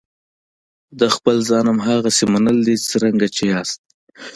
او د خپل ځان هماغسې منل دي څرنګه چې یاستئ.